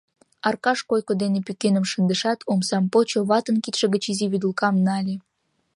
Аркаш койко ден пӱкеным шындышат, омсам почо, ватын кидше гыч изи вӱдылкам нале.